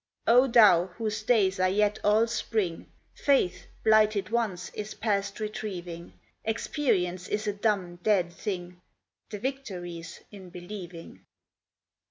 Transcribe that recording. O thou, whose days are yet all spring, Faith, blighted once, is past retrieving; Experience is a dumb, dead thing; The victory's in believing.